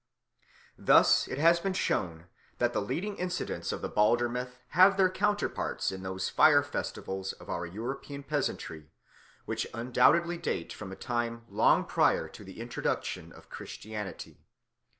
Thus it has been shown that the leading incidents of the Balder myth have their counterparts in those fire festivals of our European peasantry which undoubtedly date from a time long prior to the introduction of Christianity.